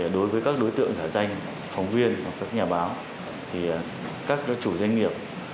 đối với các đối tượng giả danh phóng viên các nhà báo các chủ doanh nghiệp